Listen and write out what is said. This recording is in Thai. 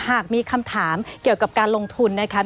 หากมีคำถามเกี่ยวกับการลงทุนนะคะ